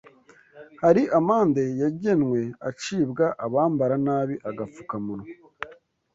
Hari amande yagenwe acibwa abambara nabi agapfukamunwa